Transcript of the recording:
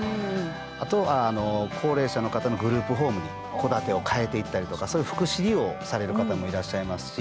あと高齢者の方のグループホームに戸建てを変えていったりとかそういう福祉利用をされる方もいらっしゃいますし。